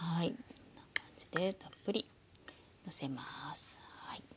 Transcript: こんな感じでたっぷりのせますはい。